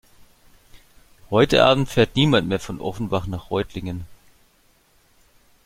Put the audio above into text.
Heute Abend fährt niemand mehr von Offenbach nach Reutlingen